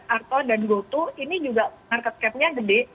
arto dan goto ini juga market capnya gede